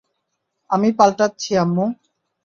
আমি পাল্টাচ্ছি, আম্মু।